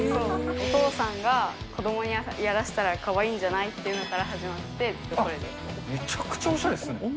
お父さんが、子どもにやらせたらかわいいんじゃないっていうのから始まって、めちゃくちゃおしゃれですね。